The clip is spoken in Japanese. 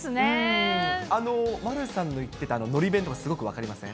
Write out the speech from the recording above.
丸さんの言ってたのり弁、すごく分かりません？